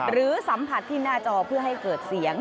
หรือสัมผัสที่หน้าจอเพื่อให้เกิดเสียง